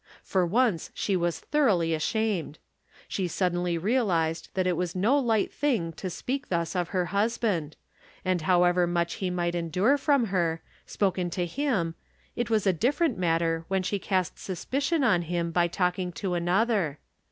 For once she was thoroughly ashamed. She suddenly realized that it was no light thing to speak thus of her husband ; and however much he might endure from her, spoken to him, it was a different matter when she cast suspicion on him by talking to another.